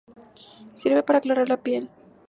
Sirve para aclarar la piel.